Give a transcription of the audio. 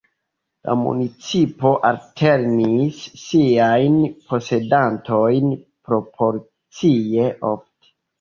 La municipo alternis siajn posedantojn proporcie ofte.